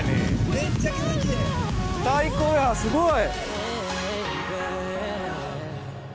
最高やすごい！